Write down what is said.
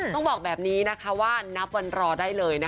ต้องบอกแบบนี้นะคะว่านับวันรอได้เลยนะคะ